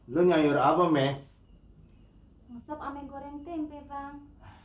lu nyanyi rapome ngosok ame goreng tempe bang